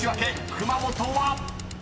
［熊本は⁉］